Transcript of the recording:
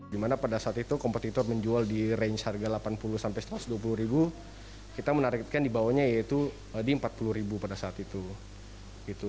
dimana pada saat itu kompetitor menjual di range harga delapan puluh satu ratus dua puluh ribu kita menargetkan dibawanya yaitu di empat puluh ribu pada saat itu